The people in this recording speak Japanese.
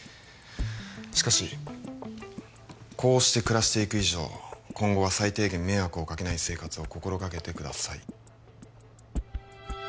しかしこうして暮らしていく以上今後は最低限迷惑をかけない生活を心がけてください